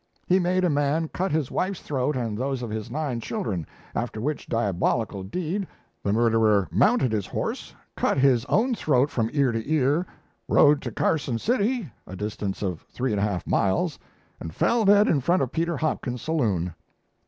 He made a man cut his wife's throat and those of his nine children, after which diabolical deed the murderer mounted his horse, cut his own throat from ear to ear, rode to Carson City (a distance of three and a half miles) and fell dead in front of Peter Hopkins' saloon.